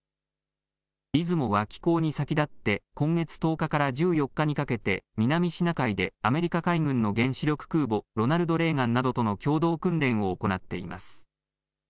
いずもは寄港に先立って、今月１０日から１４日にかけて南シナ海でアメリカ海軍の原子力空母ロナルド・レーガンなどとの共同訓練を行っています。